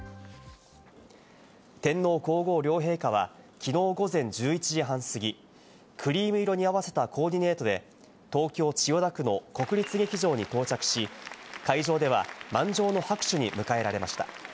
天皇皇后両陛下はきのう午前１１時半過ぎ、クリーム色に合わせたコーディネートで、東京・千代田区の国立劇場に到着し、会場では満場の拍手に迎えられました。